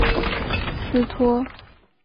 斯托姆博格龙可能是赖索托龙的成年个体。